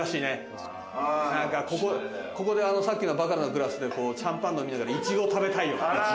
ここでさっきのバカラのグラスで、シャンパン飲みながら、いちご食べたいよな。